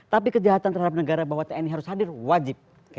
tapi kejahatan terhadap negara bahwa tni harus hadir wajib